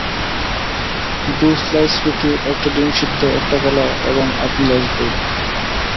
দু স্লাইস রুটি, একটা ডিমসেদ্ধ, একটা কলা এবং আধগ্লাস দুধ।